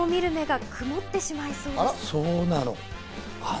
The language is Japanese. そうなの。